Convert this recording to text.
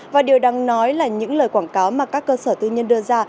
và điều đáng nói là những lời quảng cáo mà các cơ sở tư nhân đưa ra